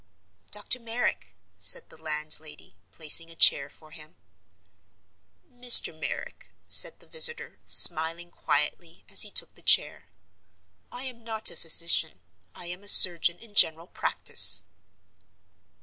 "Dr. Merrick," said the landlady, placing a chair for him. "Mr. Merrick," said the visitor, smiling quietly as he took the chair. "I am not a physician—I am a surgeon in general practice."